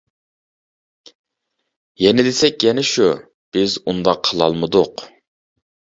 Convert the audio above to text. يەنە دېسەك يەنە شۇ، بىز ئۇنداق قىلالمىدۇق.